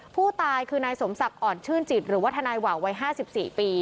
ผู้ตายคือนายสมศักดิ์อ่อนชื่นจิตหรือว่าทนายหว่าววัย๕๔ปี